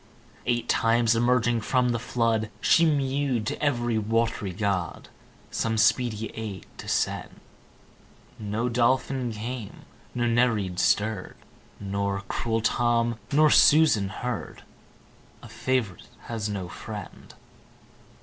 Eight times emerging from the flood She mew'd to ev'ry wat'ry god, Some speedy aid to send. No Dolphin came, no Nereid stirr'd: Nor cruel Tom, nor Susan heard. A Fav'rite has not friend!